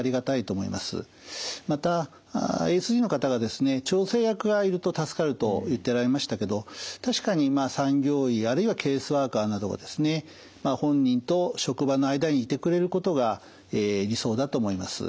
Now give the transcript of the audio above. またＡＳＤの方がですね調整役がいると助かると言っておられましたけど確かに産業医あるいはケースワーカーなどがですね本人と職場の間にいてくれることが理想だと思います。